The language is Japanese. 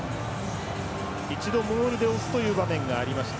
一度、モールで押すという場面がありました。